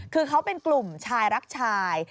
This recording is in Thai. คือเขาเป็นกลุ่มชายรักชาย